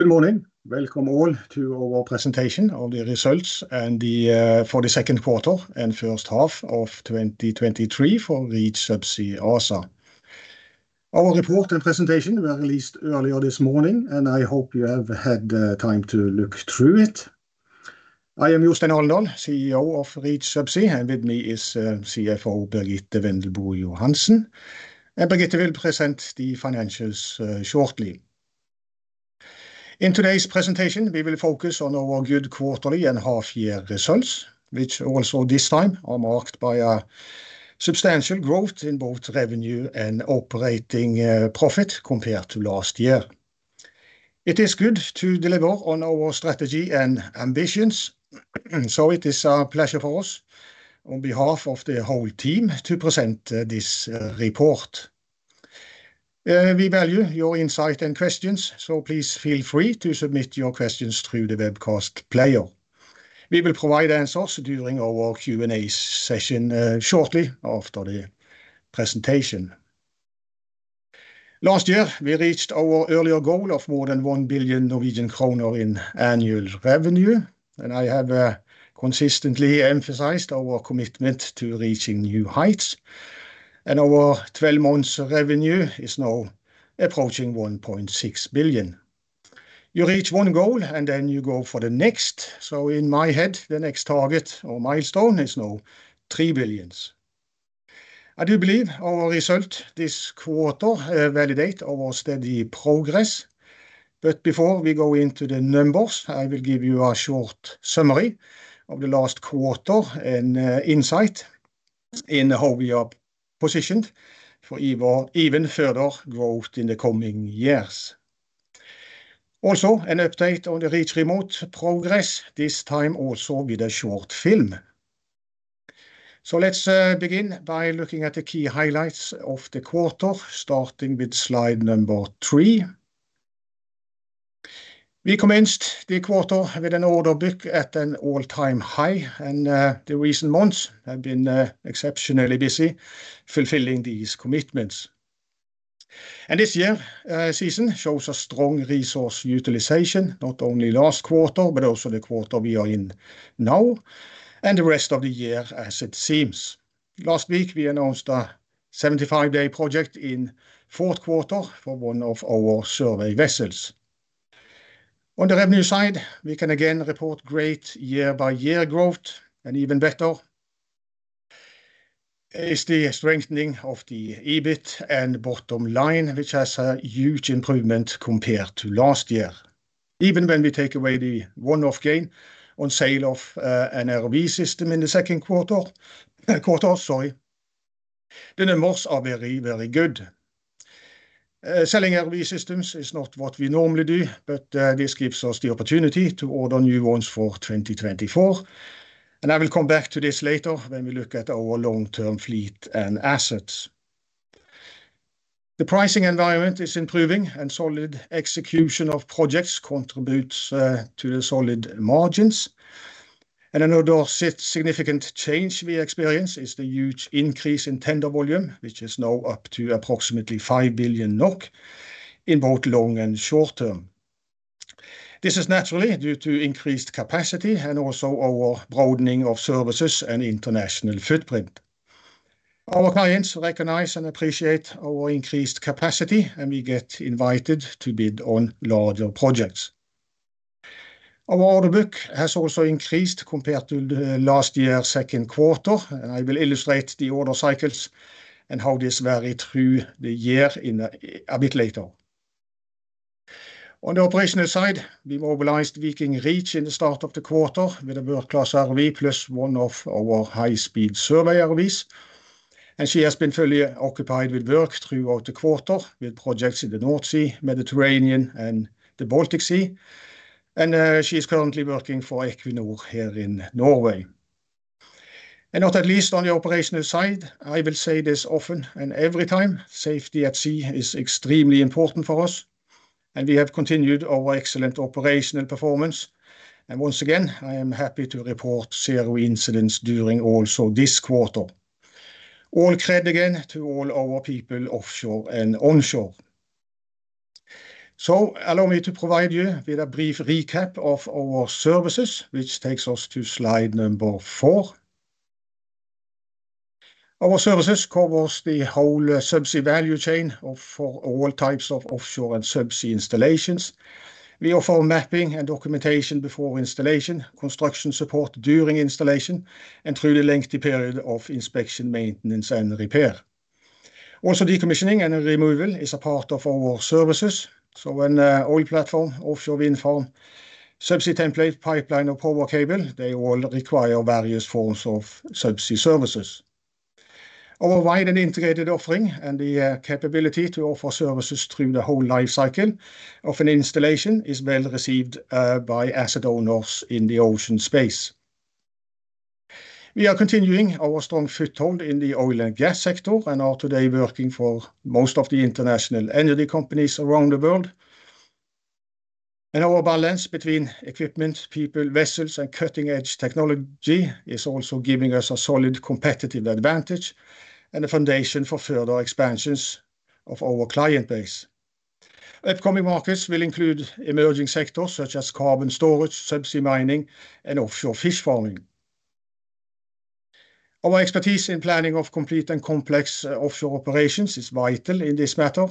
Good morning. Welcome all to our presentation of the results and the, for the Second Quarter and First-Half of 2023 for Reach Subsea ASA. Our report and presentation were released earlier this morning. I hope you have had the time to look through it. I am Jostein Alendal, CEO of Reach Subsea, and with me is CFO Birgitte Wendelbo Johansen. Birgitte will present the financials shortly. In today's presentation, we will focus on our good quarterly and half year results, which also this time are marked by a substantial growth in both revenue and operating profit compared to last year. It is good to deliver on our strategy and ambitions. It is a pleasure for us, on behalf of the whole team, to present this report. We value your insight and questions, please feel free to submit your questions through the webcast player. We will provide answers during our Q&A session shortly after the presentation. Last year, we reached our earlier goal of more than 1 billion Norwegian kroner in annual revenue, I have consistently emphasized our commitment to reaching new heights. Our 12-months revenue is now approaching 1.6 billion. You reach one goal, then you go for the next, in my head, the next target or milestone is now 3 billion. I do believe our result this quarter validate our steady progress. Before we go into the numbers, I will give you a short summary of the last quarter and insight in how we are positioned for even further growth in the coming years. Also, an update on the Reach Remote progress, this time also with a short film. Let's begin by looking at the key highlights of the quarter, starting with slide number three. We commenced the quarter with an order book at an all-time high, and the recent months have been exceptionally busy fulfilling these commitments. This year season shows a strong resource utilization, not only last quarter, but also the quarter we are in now, and the rest of the year, as it seems. Last week, we announced a 75-day project in fourth quarter for one of our survey vessels. On the revenue side, we can again report great year-by-year growth, and even better is the strengthening of the EBIT and bottom line, which has a huge improvement compared to last year. Even when we take away the one-off gain on sale of an ROV system in the second quarter, quarter, sorry, the numbers are very, very good. Selling ROV systems is not what we normally do, but this gives us the opportunity to order new ones for 2024, and I will come back to this later when we look at our long-term fleet and assets. The pricing environment is improving, and solid execution of projects contributes to the solid margins. Another significant change we experience is the huge increase in tender volume, which is now up to approximately 5 billion NOK in both long and short term. This is naturally due to increased capacity and also our broadening of services and international footprint. Our clients recognize and appreciate our increased capacity, and we get invited to bid on larger projects. Our order book has also increased compared to the last year, second quarter. I will illustrate the order cycles and how this vary through the year a bit later. On the operational side, we mobilized Viking Reach in the start of the quarter with a world-class ROV, plus 1 of our high-speed survey ROVs, and she has been fully occupied with work throughout the quarter, with projects in the North Sea, Mediterranean and the Baltic Sea. She is currently working for Equinor here in Norway. Not at least on the operational side, I will say this often and every time, safety at sea is extremely important for us, and we have continued our excellent operational performance. Once again, I am happy to report 0 incidents during also this quarter. All credit again to all our people, offshore and onshore. Allow me to provide you with a brief recap of our services, which takes us to slide number 4. Our services covers the whole subsea value chain of for all types of offshore and subsea installations. We offer mapping and documentation before installation, construction support during installation, and through the lengthy period of inspection, maintenance, and repair. Also, decommissioning and removal is a part of our services. When a oil platform, offshore wind farm, subsea template, pipeline, or power cable, they all require various forms of subsea services. Our wide and integrated offering, and the capability to offer services through the whole life cycle of an installation, is well received by asset owners in the ocean space. We are continuing our strong foothold in the oil and gas sector, and are today working for most of the international energy companies around the world. Our balance between equipment, people, vessels and cutting-edge technology is also giving us a solid competitive advantage and a foundation for further expansions of our client base. Upcoming markets will include emerging sectors such as carbon storage, subsea mining and offshore fish farming. Our expertise in planning of complete and complex offshore operations is vital in this matter,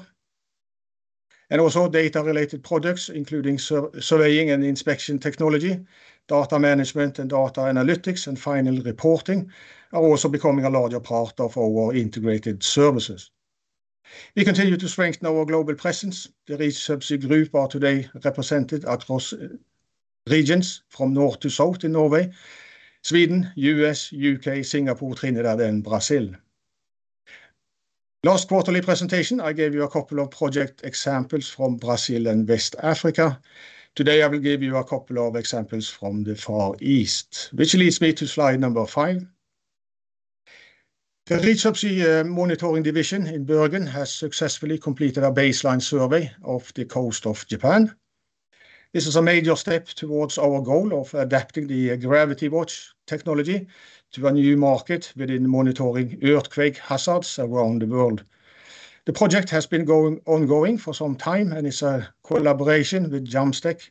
and also data-related projects, including surveying and inspection technology, data management and data analytics, and final reporting are also becoming a larger part of our integrated services. We continue to strengthen our global presence. The Reach Subsea group are today represented across regions from north to south in Norway, Sweden, U.S., U.K., Singapore, Trinidad, and Brazil. Last quarterly presentation, I gave you a couple of project examples from Brazil and West Africa. Today, I will give you a couple of examples from the Far East, which leads me to slide number five. The Reach Subsea monitoring division in Bergen has successfully completed a baseline survey of the coast of Japan. This is a major step towards our goal of adapting the gWatch technology to a new market within monitoring earthquake hazards around the world. The project has been ongoing for some time, it's a collaboration with JAMSTEC,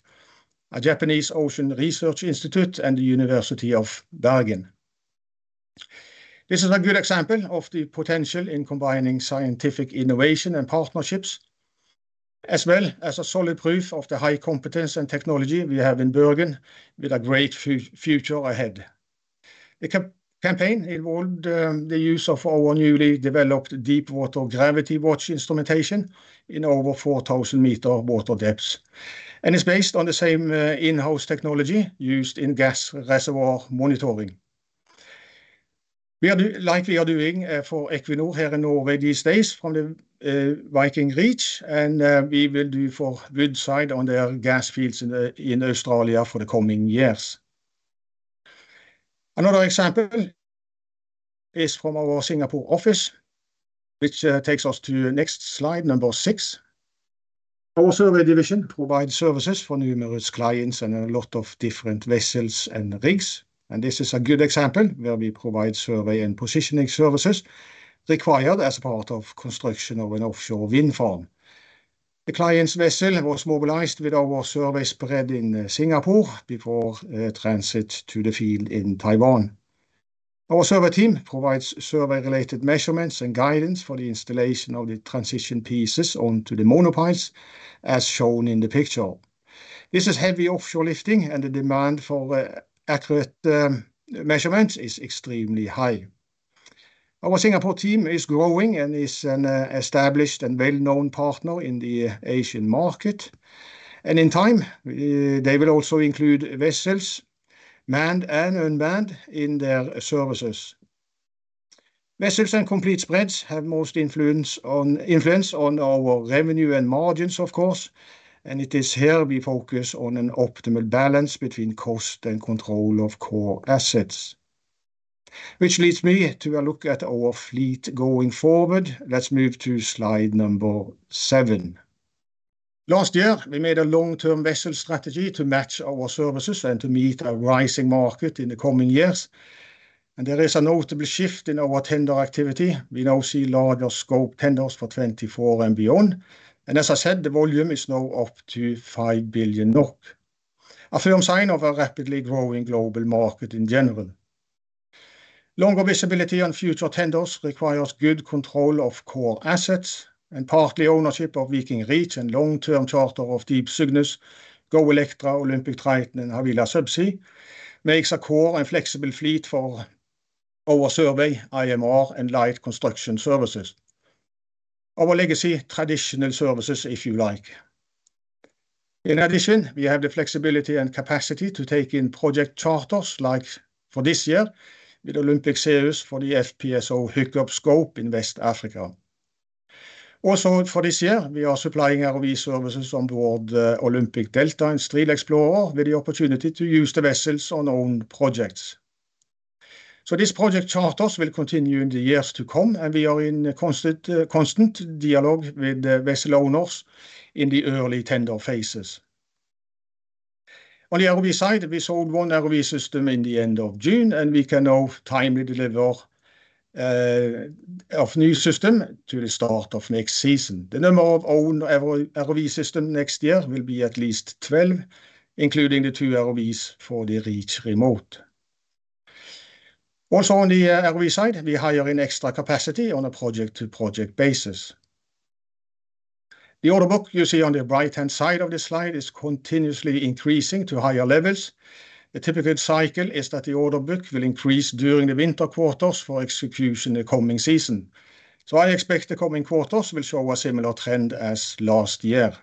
a Japanese ocean research institute, and the University of Bergen. This is a good example of the potential in combining scientific innovation and partnerships, as well as a solid proof of the high competence and technology we have in Bergen with a great future ahead. The campaign involved the use of our newly developed deep water qWatch instrumentation in over 4,000 meter water depths, and it's based on the same in-house technology used in gas reservoir monitoring. We are like we are doing for Equinor here in Norway these days from the Viking Reach, and we will do for Woodside on their gas fields in Australia for the coming years. Another example is from our Singapore office, which takes us to the next slide, number 6. Our survey division provides services for numerous clients and a lot of different vessels and rigs. This is a good example where we provide survey and positioning services required as part of construction of an offshore wind farm. The client's vessel was mobilized with our survey spread in Singapore before a transit to the field in Taiwan. Our survey team provides survey-related measurements and guidance for the installation of the transition pieces onto the monopiles, as shown in the picture. This is heavy offshore lifting, and the demand for accurate measurements is extremely high. Our Singapore team is growing and is an established and well-known partner in the Asian market. In time, they will also include vessels, manned and unmanned, in their services. Vessels and complete spreads have most influence on our revenue and margins, of course, and it is here we focus on an optimal balance between cost and control of core assets. Which leads me to a look at our fleet going forward. Let's move to slide number seven. Last year, we made a long-term vessel strategy to match our services and to meet a rising market in the coming years. There is a notable shift in our tender activity. We now see larger scope tenders for 2024 and beyond. As I said, the volume is now up to 5 billion, a firm sign of a rapidly growing global market in general. Longer visibility on future tenders requires good control of core assets and partly ownership of Viking Reach and long-term charter of Deep Cygnus, Go Electra, Olympic Triton, and Havila Subsea, makes a core and flexible fleet for our survey IMR and light construction services. Our legacy traditional services, if you like. In addition, we have the flexibility and capacity to take in project charters, like for this year with Oceanic Sirius for the FPSO hookup scope in West Africa. For this year, we are supplying our ROV services on board Olympic Delta and Strill Explorer with the opportunity to use the vessels on own projects. These project charters will continue in the years to come, and we are in a constant, constant dialogue with the vessel owners in the early tender phases. On the ROV side, we sold one ROV system in the end of June, and we can now timely deliver of new system to the start of next season. The number of own ROV, ROV system next year will be at least 12, including the two ROVs for the Reach Remote. On the ROV side, we hire in extra capacity on a project-to-project basis. The order book you see on the right-hand side of the slide is continuously increasing to higher levels. The typical cycle is that the order book will increase during the winter quarters for execution the coming season, so I expect the coming quarters will show a similar trend as last year.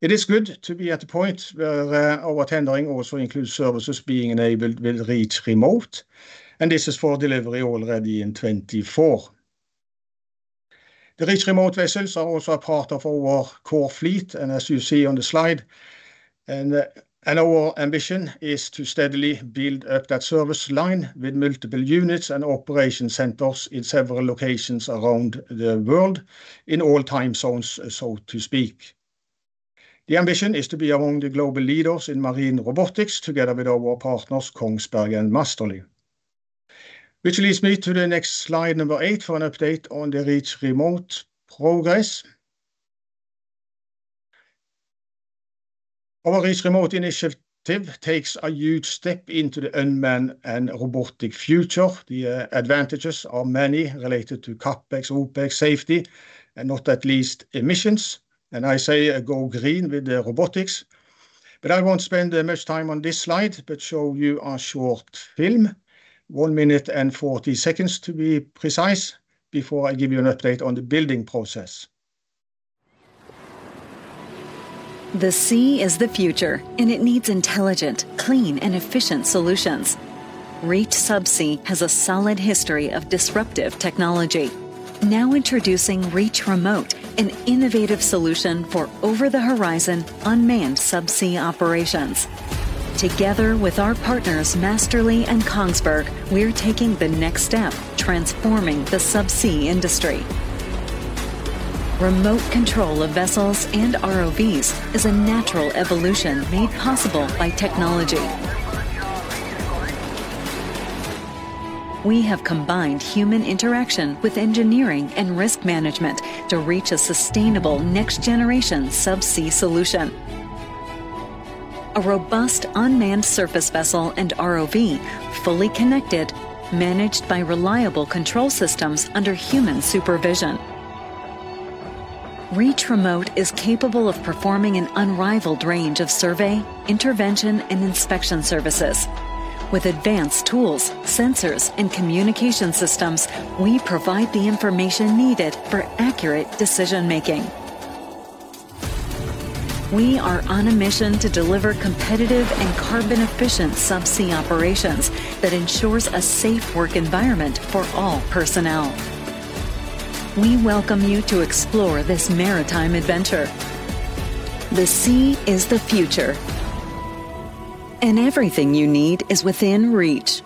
It is good to be at the point where our tendering also includes services being enabled with Reach Remote, and this is for delivery already in 2024. The Reach Remote vessels are also a part of our core fleet, and as you see on the slide, and our ambition is to steadily build up that service line with multiple units and operation centers in several locations around the world in all time zones, so to speak. The ambition is to be among the global leaders in marine robotics, together with our partners, Kongsberg and Massterly. Which leads me to the next slide, number 8, for an update on the Reach Remote progress. Our Reach Remote initiative takes a huge step into the unmanned and robotic future. The advantages are many related to CapEx, OpEx, safety, and not at least emissions, and I say I go green with the robotics. I won't spend that much time on this slide, but show you a short film, 1 minute and 40 seconds to be precise, before I give you an update on the building process. The sea is the future, and it needs intelligent, clean, and efficient solutions. Reach Subsea has a solid history of disruptive technology. Now introducing Reach Remote, an innovative solution for over-the-horizon unmanned subsea operations. Together with our partners, Massterly and Kongsberg, we are taking the next step, transforming the subsea industry. Remote control of vessels and ROVs is a natural evolution made possible by technology. We have combined human interaction with engineering and risk management to reach a sustainable next-generation subsea solution. A robust unmanned surface vessel and ROV, fully connected, managed by reliable control systems under human supervision. Reach Remote is capable of performing an unrivaled range of survey, intervention, and inspection services. With advanced tools, sensors, and communication systems, we provide the information needed for accurate decision-making. We are on a mission to deliver competitive and carbon-efficient subsea operations that ensures a safe work environment for all personnel. We welcome you to explore this maritime adventure. The sea is the future, and everything you need is within reach.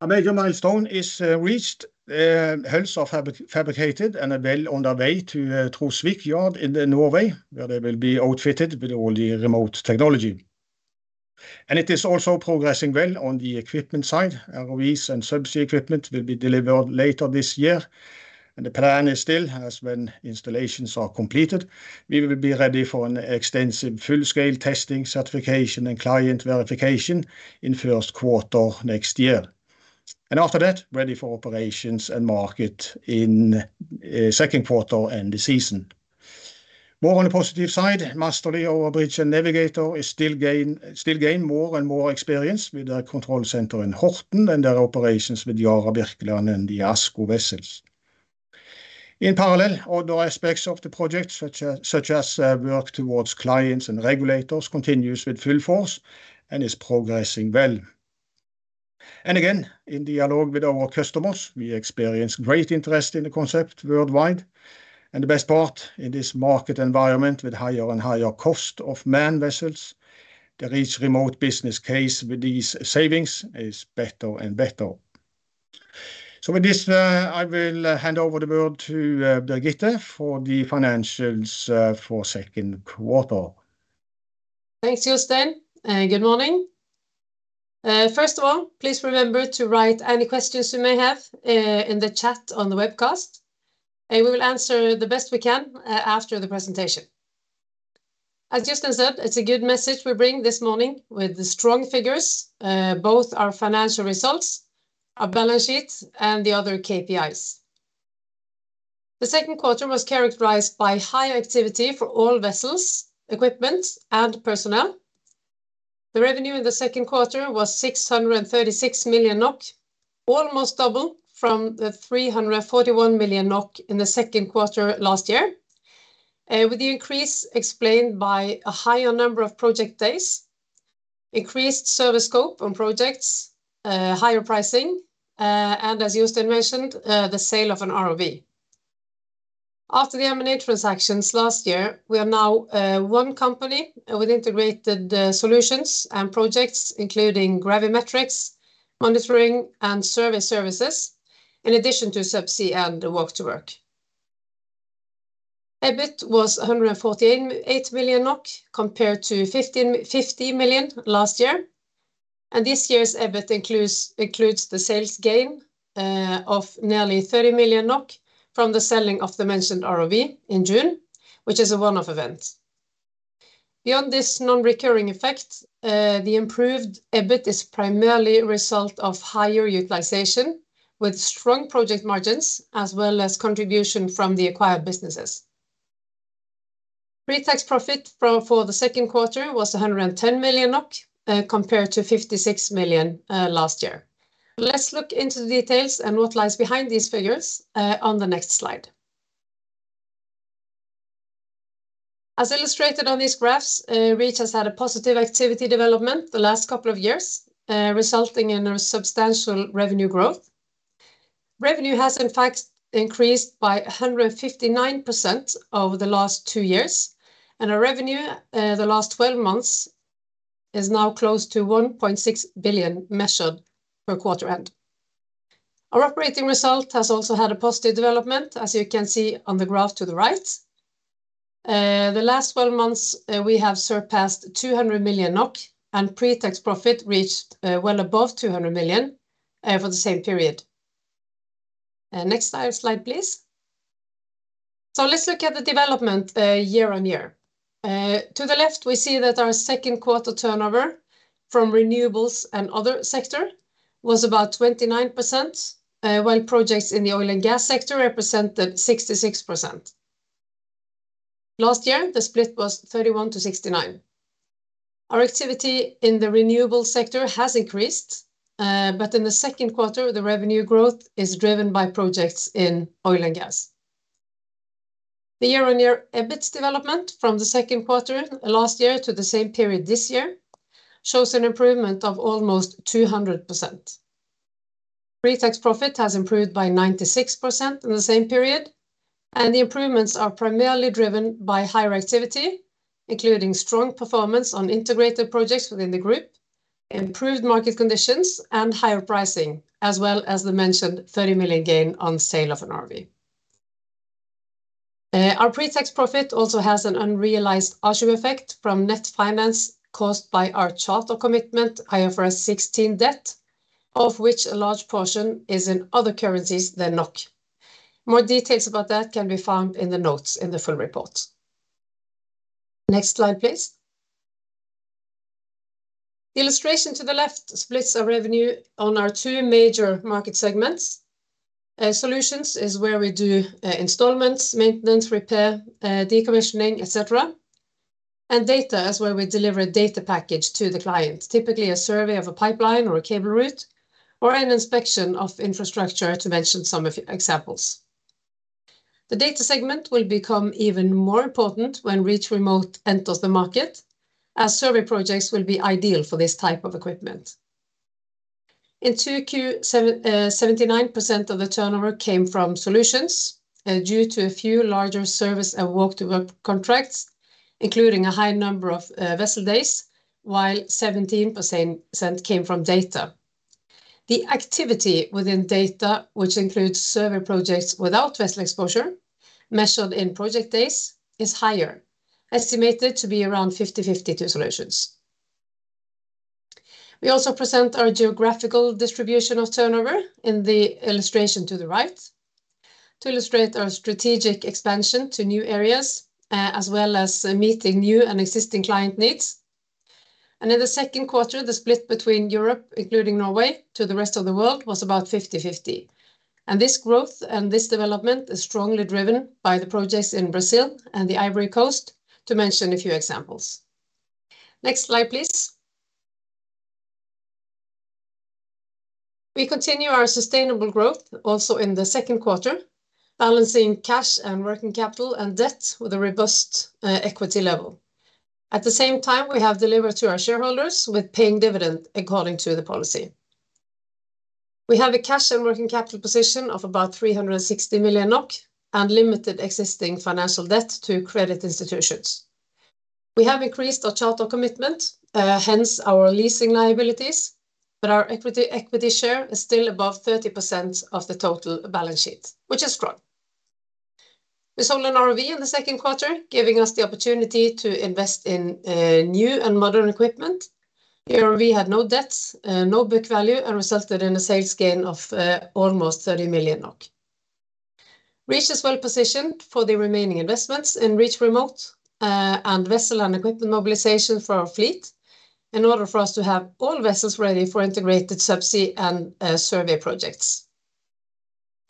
A major milestone is reached. Hulls are fabricated and are well on their way to through Svalbard in Norway, where they will be outfitted with all the remote technology. It is also progressing well on the equipment side. ROVs and subsea equipment will be delivered later this year, the plan is still, as when installations are completed, we will be ready for an extensive full-scale testing, certification, and client verification in first quarter next year. After that, ready for operations and market in second quarter and the season. More on the positive side, Massterly, our bridge and navigator, is still gain still gain more and more experience with our control center in Horten and their operations with Yara Birkeland and the ASKO vessels. In parallel, other aspects of the project, such as, such as, work towards clients and regulators, continues with full force and is progressing well. Again, in dialogue with our customers, we experience great interest in the concept worldwide, and the best part, in this market environment with higher and higher cost of manned vessels, the Reach Remote business case with these savings is better and better. With this, I will hand over the world to Birgitte for the financials for second quarter. Thanks, Jostein, and good morning. First of all, please remember to write any questions you may have in the chat on the webcast, and we will answer the best we can after the presentation. As Jostein said, it's a good message we bring this morning with the strong figures, both our financial results, our balance sheet, and the other KPIs. The second quarter was characterized by high activity for all vessels, equipment, and personnel. The revenue in the second quarter was 636 million NOK, almost double from the 341 million NOK in the second quarter last year, with the increase explained by a higher number of project days, increased service scope on projects, higher pricing, and as Jostein mentioned, the sale of an ROV. After the M&A transactions last year, we are now one company with integrated solutions and projects, including gravimetrics, monitoring, and survey services, in addition to subsea and the walk to work. EBIT was 148 million NOK, compared to 50 million NOK last year, and this year's EBIT includes the sales gain of nearly 30 million NOK from the selling of the mentioned ROV in June, which is a one-off event. Beyond this non-recurring effect, the improved EBIT is primarily a result of higher utilization, with strong project margins, as well as contribution from the acquired businesses. Pre-tax profit for the second quarter was 110 million NOK, compared to 56 million NOK last year. Let's look into the details and what lies behind these figures on the next slide. As illustrated on these graphs, REACH has had a positive activity development the last couple of years, resulting in a substantial revenue growth. Revenue has in fact increased by 159% over the last 2 years, and our revenue, the last 12 months, is now close to 1.6 billion, measured per quarter end. Our operating result has also had a positive development, as you can see on the graph to the right. The last 12 months, we have surpassed 200 million NOK, and pre-tax profit reached, well above 200 million, for the same period. Next slide, slide, please. Let's look at the development, year-on-year. To the left, we see that our second quarter turnover from renewables and other sector was about 29%, while projects in the oil and gas sector represented 66%. Last year, the split was 31%-69%. Our activity in the renewable sector has increased, but in the second quarter, the revenue growth is driven by projects in oil and gas. The year-on-year EBIT development from the second quarter last year to the same period this year shows an improvement of almost 200%. Pre-tax profit has improved by 96% in the same period, and the improvements are primarily driven by higher activity, including strong performance on integrated projects within the group, improved market conditions and higher pricing, as well as the mentioned $30 million gain on sale of an ROV. Our pre-tax profit also has an unrealized effect from net finance caused by our charter commitment, IFRS 16 debt, of which a large portion is in other currencies than NOK. More details about that can be found in the notes in the full report. Next slide, please. Illustration to the left splits our revenue on our two major market segments. Solutions is where we do installments, maintenance, repair, decommissioning, etcetera. Data is where we deliver a data package to the client, typically a survey of a pipeline or a cable route, or an inspection of infrastructure, to mention some of examples. The data segment will become even more important when Reach Remote enters the market, as survey projects will be ideal for this type of equipment. In 2Q, 79% of the turnover came from solutions, due to a few larger service and work-to-work contracts, including a high number of vessel days, while 17% came from data. The activity within data, which includes survey projects without vessel exposure, measured in project days, is higher, estimated to be around 50/50 to solutions. We also present our geographical distribution of turnover in the illustration to the right, to illustrate our strategic expansion to new areas, as well as meeting new and existing client needs. In the second quarter, the split between Europe, including Norway, to the rest of the world, was about 50/50. This growth and this development is strongly driven by the projects in Brazil and the Ivory Coast, to mention a few examples. Next slide, please. We continue our sustainable growth also in the second quarter, balancing cash and working capital and debt with a robust equity level. At the same time, we have delivered to our shareholders with paying dividend according to the policy. We have a cash and working capital position of about 360 million NOK and limited existing financial debt to credit institutions. We have increased our charter commitment, hence our leasing liabilities, but our equity, equity share is still above 30% of the total balance sheet, which is strong. We sold an ROV in the second quarter, giving us the opportunity to invest in new and modern equipment. Here, we had no debts, no book value, and resulted in a sales gain of almost 30 million. Reach is well positioned for the remaining investments in Reach Remote, and vessel and equipment mobilization for our fleet in order for us to have all vessels ready for integrated subsea and survey projects.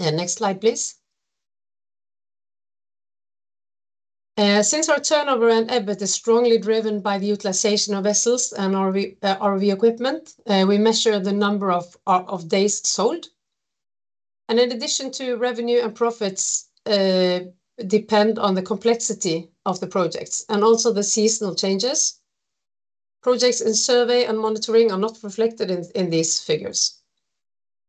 Next slide, please. Since our turnover and EBIT is strongly driven by the utilization of vessels and ROV, ROV equipment, we measure the number of days sold. In addition to revenue and profits, depend on the complexity of the projects and also the seasonal changes. Projects in survey and monitoring are not reflected in these figures.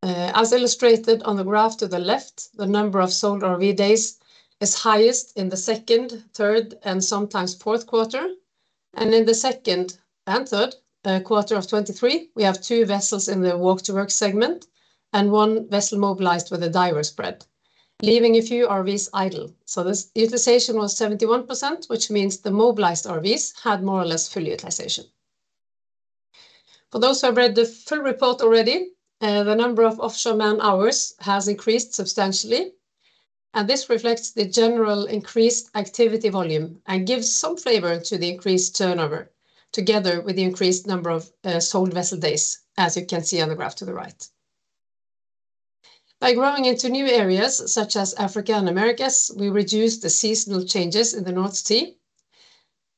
As illustrated on the graph to the left, the number of sold RV days is highest in the second, third, and sometimes fourth quarter, and in the second and third quarter of 2023, we have 2 vessels in the work-to-work segment and 1 vessel mobilized with a diver spread, leaving a few ROVs idle. This utilization was 71%, which means the mobilized ROVs had more or less full utilization. For those who have read the full report already, the number of offshore man-hours has increased substantially, and this reflects the general increased activity volume and gives some flavor to the increased turnover, together with the increased number of sold vessel days, as you can see on the graph to the right. By growing into new areas such as Africa and Americas, we reduce the seasonal changes in the North Sea.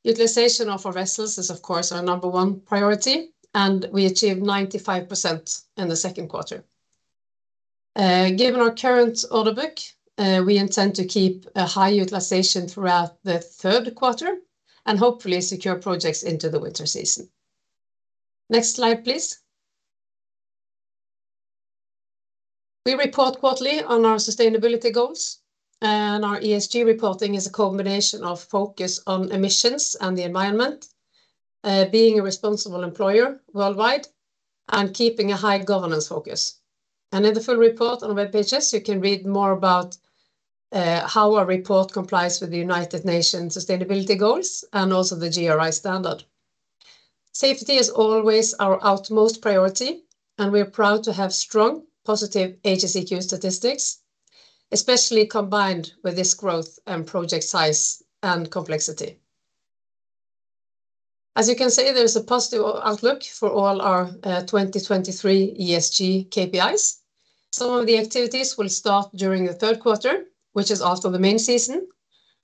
Utilization of our vessels is, of course, our number 1 priority, and we achieved 95% in the 2Q. Given our current order book, we intend to keep a high utilization throughout the 3Q and hopefully secure projects into the winter season. Next slide, please. We report quarterly on our sustainability goals, and our ESG reporting is a combination of focus on emissions and the environment, being a responsible employer worldwide and keeping a high governance focus. In the full report on the web pages, you can read more about how our report complies with the United Nations sustainability goals and also the GRI standard. Safety is always our utmost priority, and we are proud to have strong, positive HSEQ statistics, especially combined with this growth and project size and complexity. As you can see, there's a positive outlook for all our 2023 ESG KPIs. Some of the activities will start during the third quarter, which is after the main season,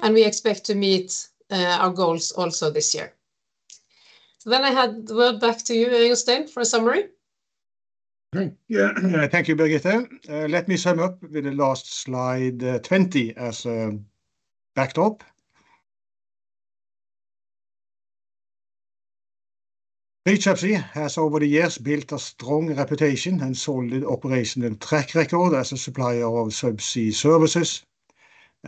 and we expect to meet our goals also this year. I hand the word back to you, Jostein, for a summary. Yeah, thank you, Birgitte. Let me sum up with the last slide, 20, as a backdrop. Reach Subsea has, over the years, built a strong reputation and solid operational track record as a supplier of subsea services.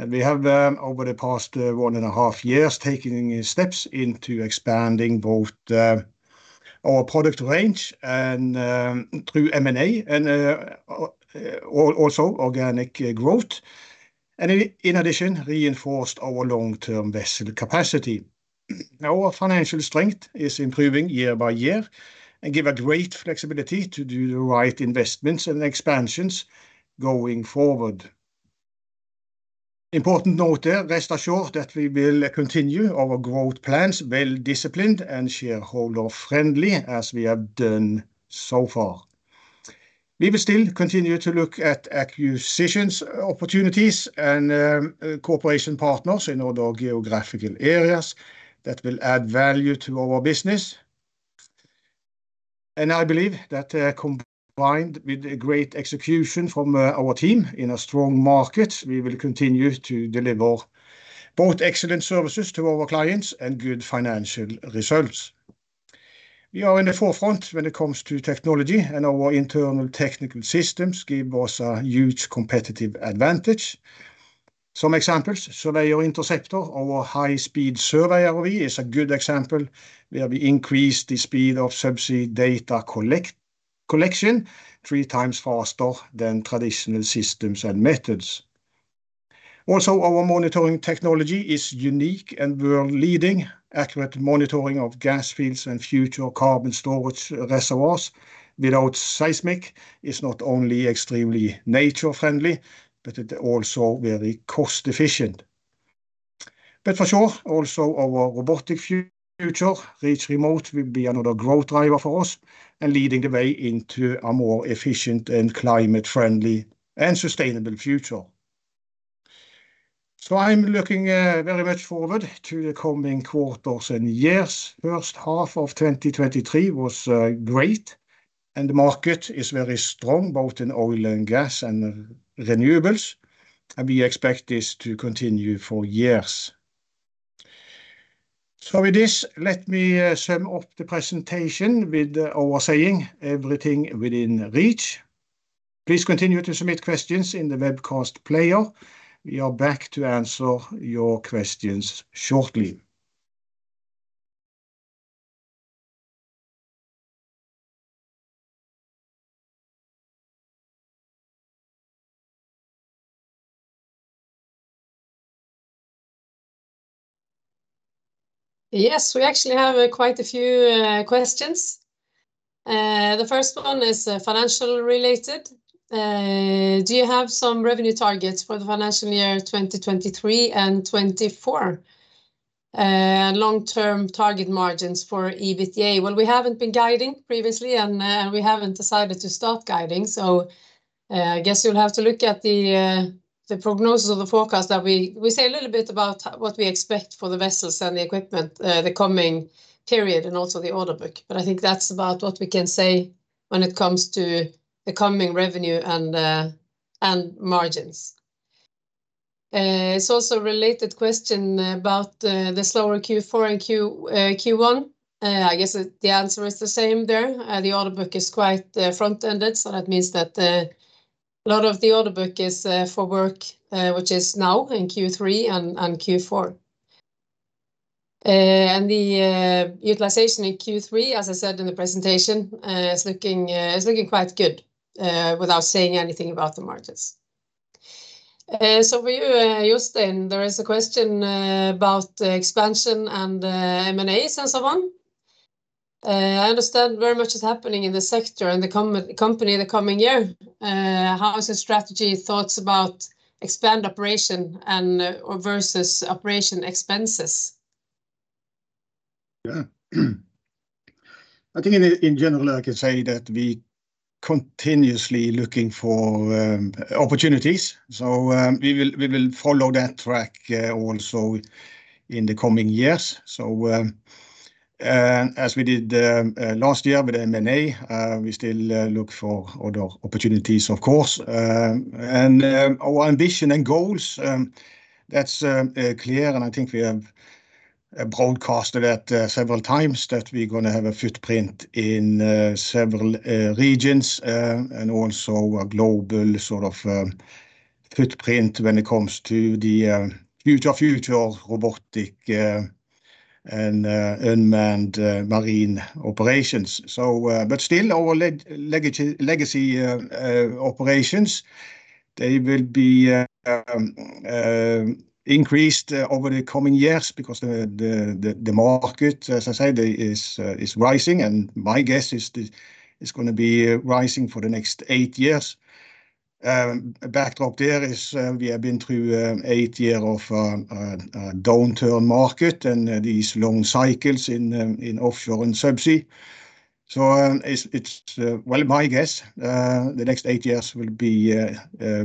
We have over the past one and a half years, taken steps into expanding both our product range and through M&A and also organic growth, and in addition, reinforced our long-term vessel capacity. Our financial strength is improving year by year and give a great flexibility to do the right investments and expansions going forward. Important note there, rest assured that we will continue our growth plans, well-disciplined and shareholder-friendly, as we have done so far. We will still continue to look at acquisitions, opportunities, and cooperation partners in other geographical areas that will add value to our business. I believe that, combined with great execution from our team in a strong market, we will continue to deliver both excellent services to our clients and good financial results. We are in the forefront when it comes to technology, and our internal technical systems give us a huge competitive advantage. Some examples, Surveyor Interceptor, our high-speed survey ROV is a good example, where we increased the speed of subsea data collection 3 times faster than traditional systems and methods. Also, our monitoring technology is unique and world-leading. Accurate monitoring of gas fields and future carbon storage reservoirs without seismic is not only extremely nature-friendly, but it also very cost-efficient. For sure, also our robotic future, Reach Remote, will be another growth driver for us and leading the way into a more efficient and climate-friendly and sustainable future. I'm looking very much forward to the coming quarters and years. First half of 2023 was great, and the market is very strong, both in oil and gas and renewables, and we expect this to continue for years. With this, let me sum up the presentation with our saying, "Everything within reach." Please continue to submit questions in the webcast player. We are back to answer your questions shortly. Yes, we actually have quite a few questions. The first one is financial-related: Do you have some revenue targets for the financial year 2023 and 2024, long-term target margins for EBITDA? Well, we haven't been guiding previously, and we haven't decided to start guiding, so I guess you'll have to look at the prognosis of the forecast that we... We say a little bit about what we expect for the vessels and the equipment, the coming period, and also the order book. I think that's about what we can say when it comes to the coming revenue and margins. It's also a related question about the slower Q4 and Q1. I guess the answer is the same there. The order book is quite front-ended, so that means that a lot of the order book is for work, which is now in Q3 and Q4. The utilization in Q3, as I said in the presentation, is looking, is looking quite good, without saying anything about the margins. For you, Jostein, there is a question about expansion and M&As, and so on: I understand very much is happening in the sector and the company in the coming year. How is the strategy thoughts about expand operation and, or versus operation expenses? Yeah. I think in, in general, I can say that we continuously looking for opportunities. We will, we will follow that track also in the coming years. As we did last year with M&A, we still look for other opportunities, of course. Our ambition and goals, that's clear, and I think we have broadcasted that several times, that we're gonna have a footprint in several regions, and also a global sort of footprint when it comes to the future, future robotic and unmanned marine operations. But still our legacy, legacy operations, they will be increased over the coming years because the market, as I said, is rising, and my guess is this is going to be rising for the next 8 years. Backdrop there is we have been through an 8-year downturn market and these long cycles in offshore and subsea. It's, well, my guess, the next 8 years will be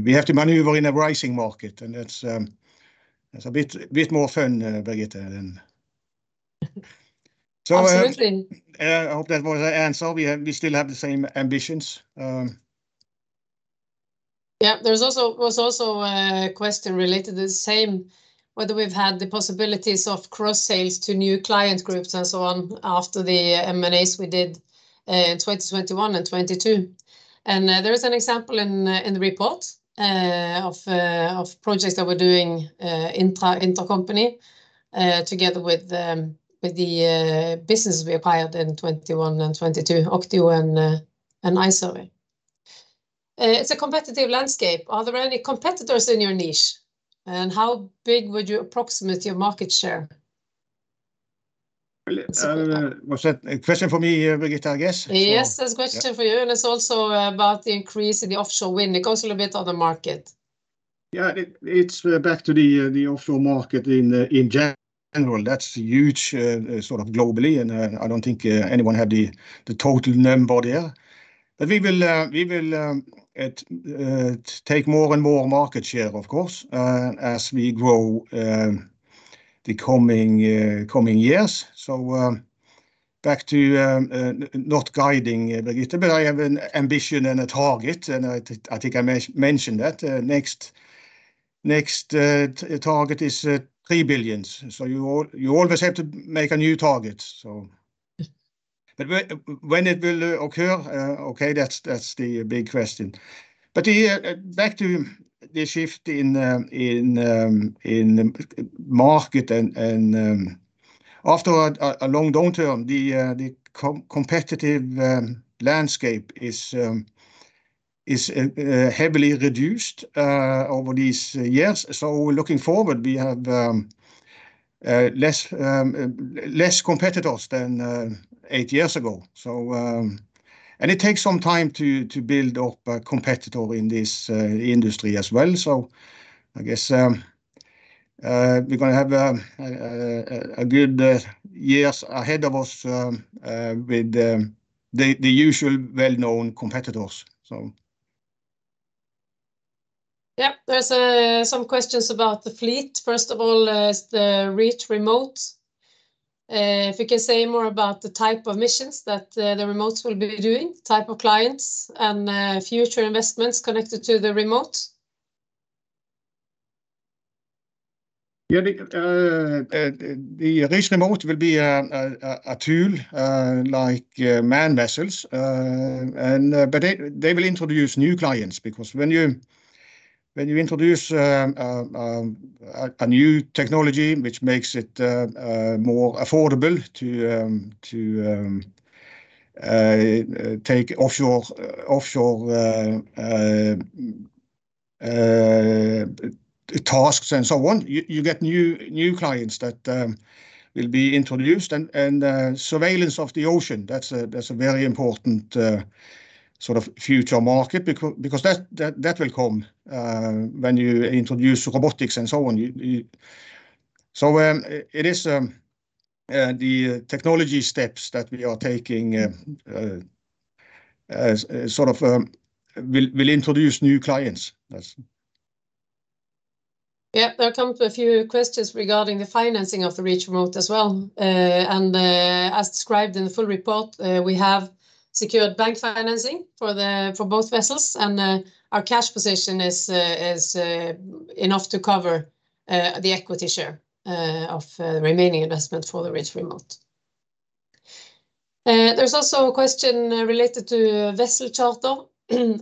we have to maneuver in a rising market, and that's a bit, bit more fun, Birgitte, than- Absolutely. I hope that was the answer. We still have the same ambitions. Yeah, there was also a question related to the same, whether we've had the possibilities of cross-sales to new client groups and so on, after the M&As we did in 2021 and 2022. There is an example in the report of projects that we're doing intra- intercompany together with the business we acquired in 2021 and 2022, Octio and iSURVEY. It's a competitive landscape. Are there any competitors in your niche, and how big would you approximate your market share? Well, was that a question for me, Birgitte, I guess? Yes, that's a question for you, Yeah It's also about the increase in the offshore wind. It goes a little bit on the market. Yeah, it's back to the offshore market in general. That's huge, sort of globally and I don't think anyone had the total number there. We will take more and more market share, of course, as we grow, the coming years. Back to not guiding, Birgitte, but I have an ambition and a target, and I think I mentioned that. Next target is 3 billion. You always have to make a new target, so... Yes. When it will occur, okay, that's, that's the big question. Back to the shift in market and after a long downturn, the competitive landscape is heavily reduced over these years. Looking forward, we have less less competitors than 8 years ago. It takes some time to build up a competitor in this industry as well. I guess we're gonna have a good years ahead of us with the usual well-known competitors, so. Yeah. There's some questions about the fleet. First of all, is the Reach Remote. If you can say more about the type of missions that the Remotes will be doing, type of clients, and future investments connected to the Reach Remote? Yeah, the, the Reach Remote will be a, a, a tool, like, manned vessels. They, they will introduce new clients, because when you, when you introduce, a, a new technology which makes it, more affordable to, to, take offshore, offshore, tasks and so on, you, you get new, new clients that, will be introduced. Surveillance of the ocean, that's a, that's a very important, sort of future market, because, because that, that, that will come, when you introduce robotics and so on. It is, the technology steps that we are taking, sort of, will, will introduce new clients. That's. Yeah, there come to a few questions regarding the financing of the Reach Remote as well. As described in the full report, we have secured bank financing for both vessels, and our cash position is enough to cover the equity share of the remaining investment for the Reach Remote. There's also a question related to vessel charter,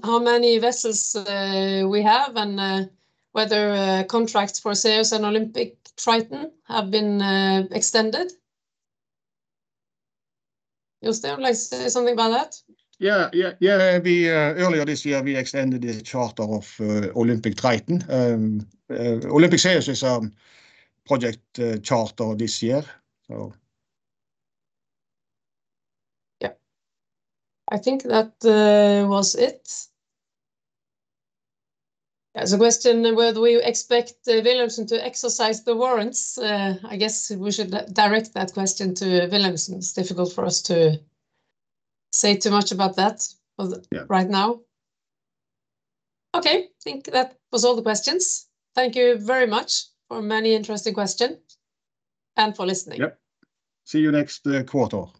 how many vessels we have, and whether contracts for Zeus and Olympic Triton have been extended. Jostein, would you like to say something about that? Yeah, yeah, yeah. We, earlier this year, we extended the charter of Olympic Triton. Olympic Zeus is project charter this year, so. Yeah. I think that was it. There's a question, whether we expect the Wilhelmsen to exercise the warrants? I guess we should direct that question to Wilhelmsen. It's difficult for us to say too much about that. Yeah right now. Okay, I think that was all the questions. Thank you very much for many interesting questions, and for listening. Yep. See you next quarter.